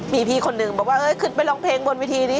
มีพี่คนหนึ่งบอกว่ามีนึงขึ้นไปร้องเพลงบนวิธีนี้